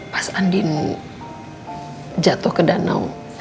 pas andin jatuh ke danau